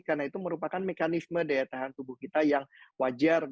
karena itu merupakan mekanisme daya tahan tubuh kita yang wajar